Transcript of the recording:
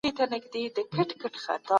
د ټولنپوهني پيدايښت په کلتور کې مهم دی.